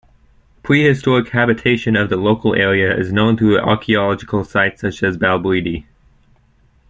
Prehistoric habitation of the local area is known through archaeological sites such as Balbridie.